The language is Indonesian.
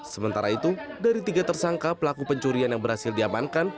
sementara itu dari tiga tersangka pelaku pencurian yang berhasil diamankan